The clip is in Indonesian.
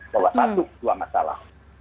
bahwa satu dua masalah